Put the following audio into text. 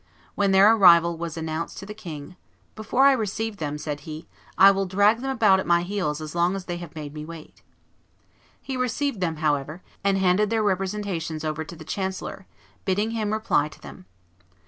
When their arrival was announced to the king, "Before I receive them," said he, "I will drag them about at my heels as long as they have made me wait." He received them, however, and handed their representations over to the chancellor, bidding him reply to them.